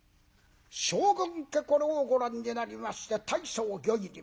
将軍家これをご覧になりまして大層御意に召す。